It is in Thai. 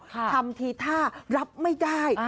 ทำทีท่ารับไม่ได้